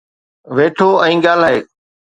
ويٺو ۽ ڳالهائي